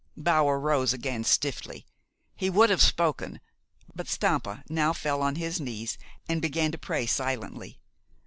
Bower rose again stiffly. He would have spoken; but Stampa now fell on his knees and began to pray silently.